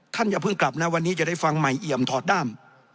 อย่าเพิ่งกลับนะวันนี้จะได้ฟังใหม่เอี่ยมถอดด้าม